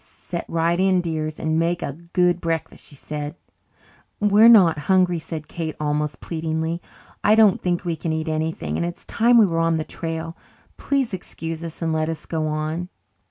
"Set right in, dears, and make a good breakfast," she said. "We are not hungry," said Kate, almost pleadingly. "I don't think we can eat anything. And it's time we were on the trail. Please excuse us and let us go on."